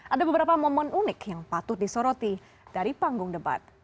ada beberapa momen unik yang patut disoroti dari panggung debat